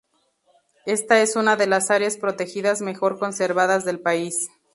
Esta es una de las áreas protegidas mejor conservadas del país.